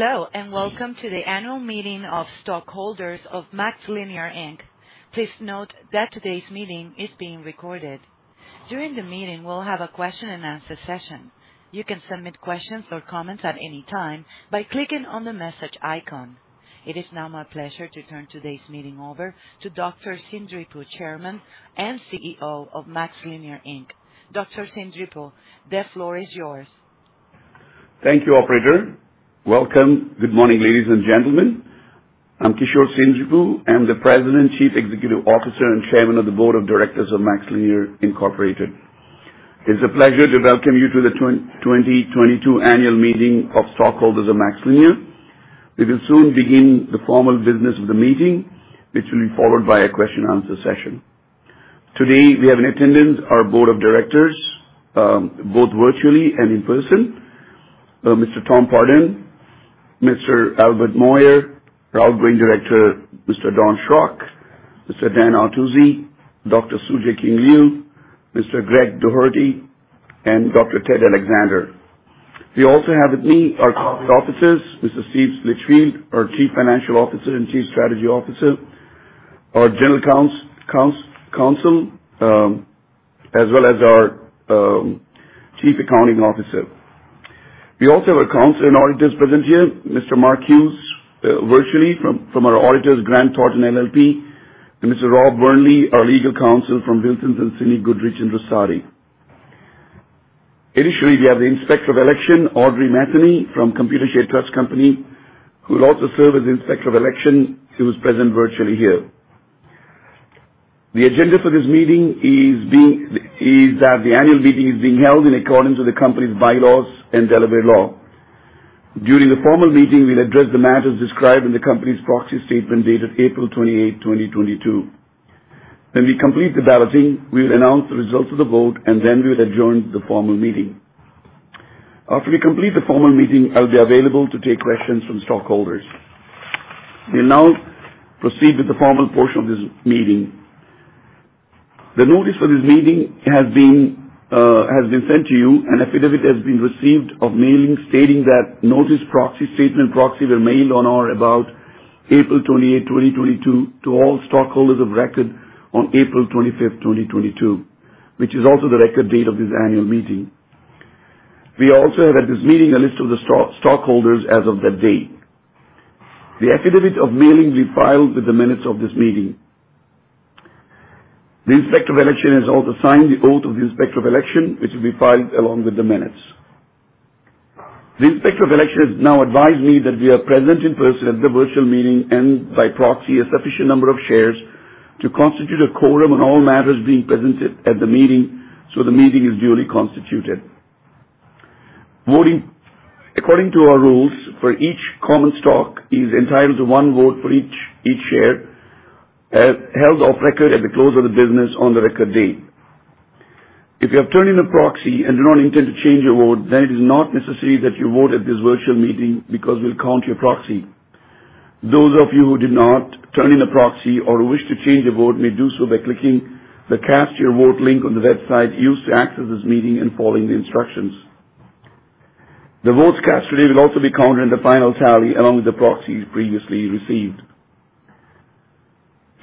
Hello, and welcome to the annual meeting of stockholders of MaxLinear, Inc. Please note that today's meeting is being recorded. During the meeting, we'll have a question-and-answer session. You can submit questions or comments at any time by clicking on the message icon. It is now my pleasure to turn today's meeting over to Dr. Seendripu, Chairman and CEO of MaxLinear, Inc. Dr. Seendripu, the floor is yours. Thank you, operator. Welcome. Good morning, ladies and gentlemen. I'm Kishore Seendripu. I'm the President, Chief Executive Officer, and Chairman of the Board of Directors of MaxLinear, Inc. It's a pleasure to welcome you to the 2022 annual meeting of stockholders of MaxLinear. We will soon begin the formal business of the meeting, which will be followed by a question-and-answer session. Today, we have in attendance our board of directors, both virtually and in person. Mr. Tom Pardun, Mr. Albert Moyer, our outgoing director, Mr. Don Schrock, Mr. Dan Artusi, Dr. Tsu-Jae King Liu, Mr. Greg Doherty, and Dr. Ted Alexander. We also have with me our corporate officers, Mr. Steve Litchfield, our Chief Financial Officer and Chief Strategy Officer, our General Counsel, as well as our Chief Accounting Officer. We also have our counsel and auditors present here, Mr. Mark Hughes, virtually from our auditors Grant Thornton LLP, and Mr. Rob Kornegay, our legal counsel from Wilson Sonsini Goodrich & Rosati. Initially, we have the Inspector of Election, Audrey Matheny from Computershare Trust Company, who will also serve as Inspector of Election, who is present virtually here. The agenda for this meeting is that the annual meeting is being held in accordance with the company's bylaws and Delaware law. During the formal meeting, we'll address the matters described in the company's proxy statement dated April 28, 2022. When we complete the balloting, we will announce the results of the vote, and then we will adjourn the formal meeting. After we complete the formal meeting, I'll be available to take questions from stockholders. We now proceed with the formal portion of this meeting. The notice for this meeting has been sent to you, and affidavit has been received of mailing stating that notice, proxy statement, proxy were mailed on or about April 28, 2022 to all stockholders of record on April 25, 2022, which is also the record date of this annual meeting. We also have at this meeting a list of the stockholders as of that day. The affidavit of mailing will be filed with the minutes of this meeting. The Inspector of Election has also signed the oath of the Inspector of Election, which will be filed along with the minutes. The Inspector of Election has now advised me that we are present in person at the virtual meeting and by proxy, a sufficient number of shares to constitute a quorum on all matters being presented at the meeting. The meeting is duly constituted. Voting according to our rules, for each common stock is entitled to one vote for each share held of record at the close of business on the record date. If you have turned in a proxy and do not intend to change your vote, then it is not necessary that you vote at this virtual meeting because we'll count your proxy. Those of you who did not turn in a proxy or wish to change your vote may do so by clicking the Cast Your Vote link on the website used to access this meeting and following the instructions. The votes cast today will also be counted in the final tally along with the proxies previously received.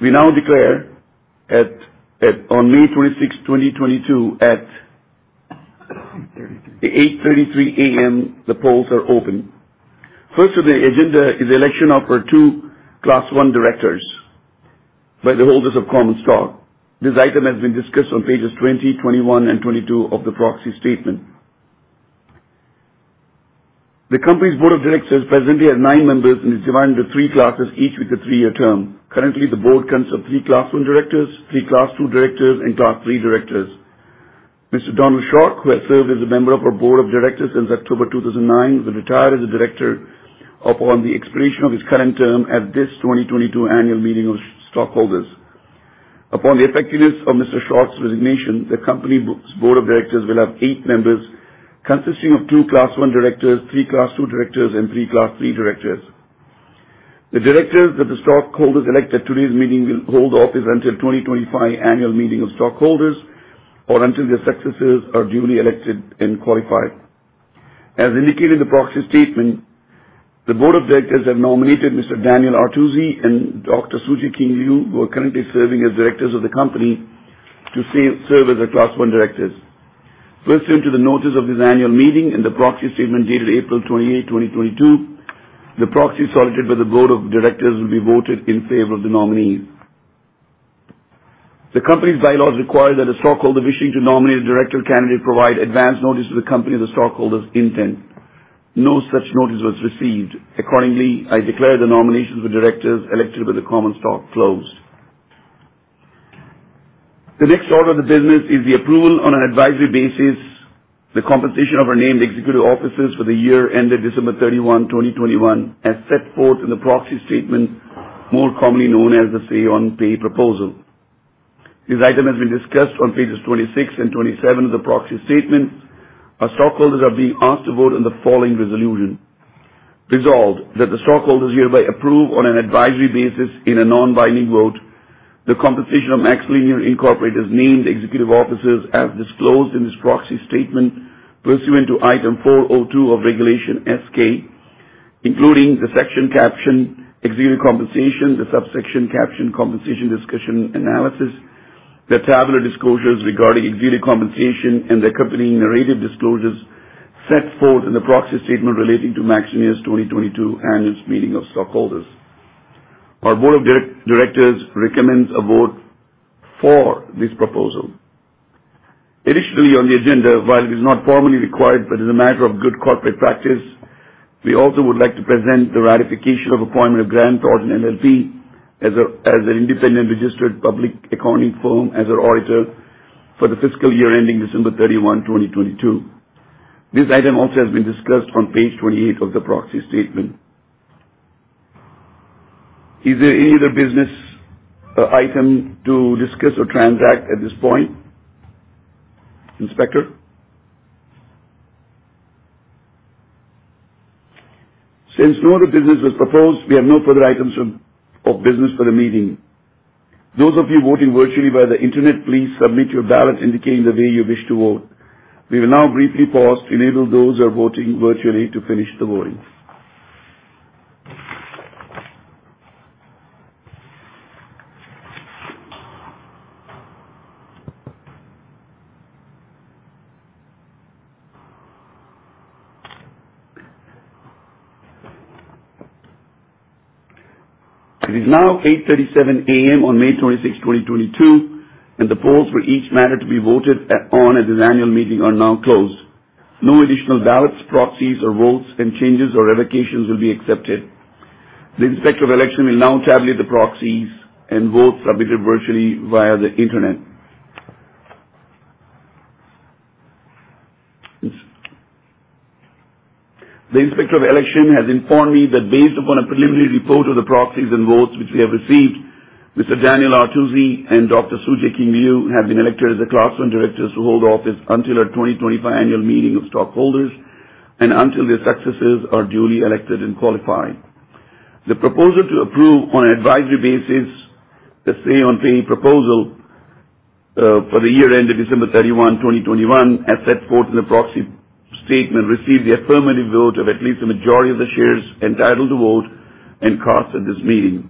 We now declare on May 26, 2022, at 8:33A.M., the polls are open. First of the agenda is election of our two Class I directors by the holders of common stock. This item has been discussed on pages 20, 21, and 22 of the proxy statement. The company's board of directors presently has nine members and is divided into three classes, each with a three-year term. Currently, the board consists of three Class I directors, three Class II directors, and Class III directors. Mr. Donald Schrock, who has served as a member of our board of directors since October 2009, will retire as a director upon the expiration of his current term at this 2022 annual meeting of stockholders. Upon the effectiveness of Mr. Schrock's resignation, the company's board of directors will have eight members consisting of two Class I directors, three Class II directors, and three Class III directors. The directors that the stockholders elect at today's meeting will hold office until 2025 annual meeting of stockholders or until their successors are duly elected and qualified. As indicated in the proxy statement, the board of directors have nominated Mr. Daniel Artusi and Dr. Tsu-Jae King Liu, who are currently serving as directors of the company to serve as our Class I directors. Pursuant to the notice of this annual meeting and the proxy statement dated April 28, 2022, the proxy solicited by the board of directors will be voted in favor of the nominees. The company's bylaws require that a stockholder wishing to nominate a director candidate provide advance notice to the company of the stockholder's intent. No such notice was received. Accordingly, I declare the nominations of directors elected by the common stock closed. The next order of business is the approval, on an advisory basis, of the compensation of our named executive officers for the year ended December 31, 2021, as set forth in the proxy statement, more commonly known as the say-on-pay proposal. This item has been discussed on pages 26 and 27 of the proxy statement. Our stockholders are being asked to vote on the following resolution. Resolved that the stockholders hereby approve, on an advisory basis, in a non-binding vote, the compensation of MaxLinear, Inc's named executive officers as disclosed in this proxy statement pursuant to Item 402 of Regulation S-K, including the section captioned Executive Compensation, the subsection captioned Compensation Discussion and Analysis, the tabular disclosures regarding executive compensation, and the accompanying narrative disclosures set forth in the proxy statement relating to MaxLinear's 2022 Annual Meeting of Stockholders. Our board of directors recommends a vote for this proposal. Additionally on the agenda, while it is not formally required, but as a matter of good corporate practice, we also would like to present the ratification of appointment of Grant Thornton LLP as an independent registered public accounting firm as our auditor for the fiscal year ending December 31, 2022. This item also has been discussed on page 28 of the proxy statement. Is there any other business item to discuss or transact at this point? Inspector? Since no other business was proposed, we have no further items of business for the meeting. Those of you voting virtually via the Internet, please submit your ballot indicating the way you wish to vote. We will now briefly pause to enable those who are voting virtually to finish the voting. It is now 8:37A.M. on May 26, 2022, and the polls for each matter to be voted on at this annual meeting are now closed. No additional ballots, proxies or votes and changes or revocations will be accepted. The Inspector of Election will now tabulate the proxies and votes submitted virtually via the Internet. The Inspector of Election has informed me that based upon a preliminary report of the proxies and votes which we have received, Mr. Daniel Artusi and Dr. Tsu-Jae King Liu have been elected as the Class I directors who hold office until our 2025 annual meeting of stockholders and until their successors are duly elected and qualified. The proposal to approve on an advisory basis the say-on-pay proposal for the year end of December 31, 2021, as set forth in the proxy statement, received the affirmative vote of at least a majority of the shares entitled to vote and cast at this meeting.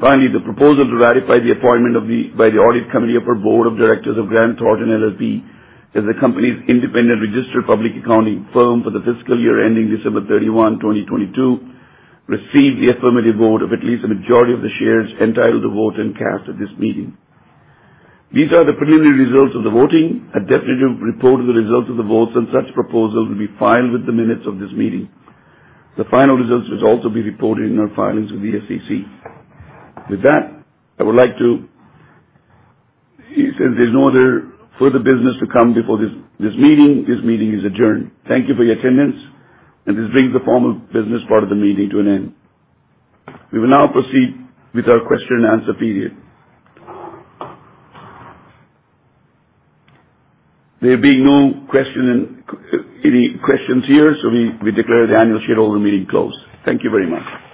Finally, the proposal to ratify the appointment by the audit committee of our board of directors of Grant Thornton LLP as the company's independent registered public accounting firm for the fiscal year ending December 31, 2022, received the affirmative vote of at least a majority of the shares entitled to vote and cast at this meeting. These are the preliminary results of the voting. A definitive report of the results of the votes on such proposals will be filed with the minutes of this meeting. The final results will also be reported in our filings with the SEC. With that, since there's no other further business to come before this meeting, this meeting is adjourned. Thank you for your attendance, and this brings the formal business part of the meeting to an end. We will now proceed with our question and answer period. There being no question, any questions here, so we declare the annual shareholder meeting closed. Thank you very much.